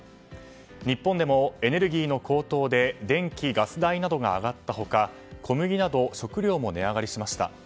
日本でもエネルギーの高騰で電気・ガス代などが上がった他小麦など食料も値上がりしました。